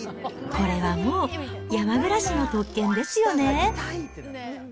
これはもう山暮らしの特権ですよね。